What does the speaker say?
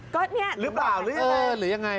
รึเปล่าหรือยังไงเออหรือยังไง